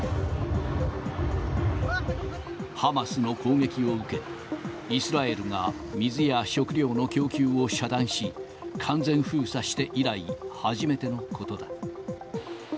ハマスの攻撃を受け、イスラエルが水や食料の供給を遮断し、完全封鎖して以来、初めてのことだ。